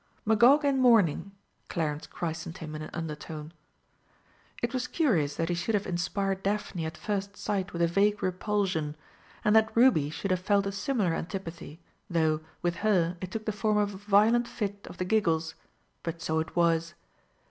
"Magog in mourning," Clarence christened him in an undertone. It was curious that he should have inspired Daphne at first sight with a vague repulsion, and that Ruby should have felt a similar antipathy, though, with her, it took the form of a violent fit of the giggles but so it was.